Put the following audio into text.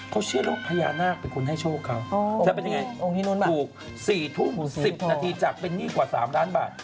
เขาเชื่อแล้วว่าพญานาคเป็นคนให้โชคเขาจะเป็นยังไงถูก๔ทุ่ม๑๐นาทีจากเป็นหนี้กว่า๓ล้านบาท